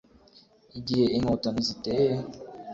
Igihe Inkotanyi ziteye